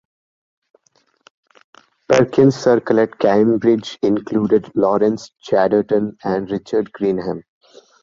Perkins's circle at Cambridge included Laurence Chaderton and Richard Greenham.